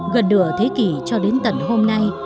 gần nửa thế kỷ cho đến tận hôm nay